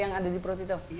yang ada di perut itu